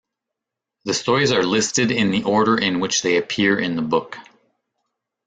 The stories are listed in the order in which they appear in the book.